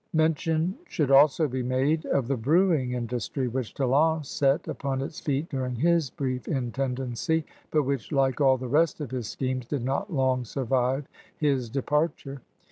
Mention should also be made of the brewing industry which Talon set upon its feet during his brief intendancy but which, like all the rest of his schemes, did not long survive his departure.